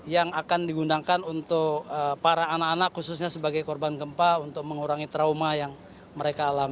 yang akan digunakan untuk para anak anak khususnya sebagai korban gempa untuk mengurangi trauma yang mereka alami